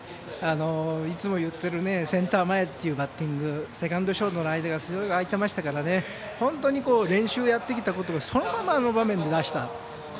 いつもいっているセンター前というバッティングセカンド、ショートの間がすごく空いていましたから本当に練習でやってきたことをそのまま、あの場で出した。